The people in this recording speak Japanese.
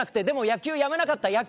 でも野球やめなかった。